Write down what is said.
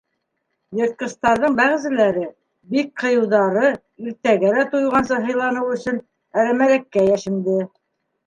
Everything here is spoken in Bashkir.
Йыртҡыстарҙың бәғзеләре, бик ҡыйыуҙары, иртәгә лә туйғансы һыйланыу өсөн, әрәмәлеккә йәшенде.